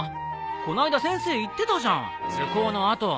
こないだ先生言ってたじゃん図工の後。